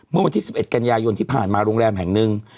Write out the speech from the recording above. เมื่อวันที่๑๑กันยายนที่ผ่านมาโรงแรมแห่งหนึ่ง